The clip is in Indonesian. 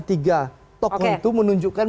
tiga tokoh itu menunjukkan